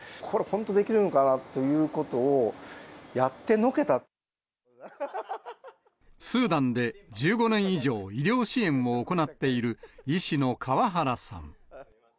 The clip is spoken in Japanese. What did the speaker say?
これ、本当にできるのかなというスーダンで１５年以上、医療支援を行っている医師の川原さん。